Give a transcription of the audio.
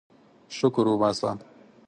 شکر وباسه.